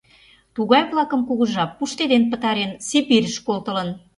Тугай-влакым кугыжа пуштеден пытарен, Сибирьыш колтылын.